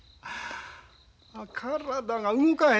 体が動かへんのや。